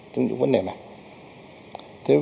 trong những vấn đề này